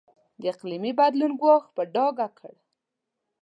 د اقلیمي بدلون ګواښ په ډاګه کړ.